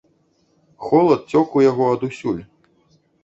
Холад цёк у яго адусюль.